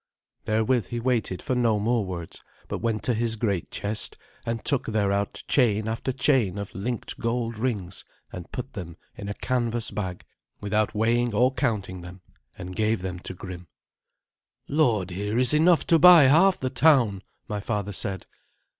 Therewith he waited for no more words, but went to his great chest, and took thereout chain after chain of linked gold rings, and put them in a canvas bag, without weighing or counting them, and gave them to Grim. "Lord, here is enough to buy half the town!" my father said.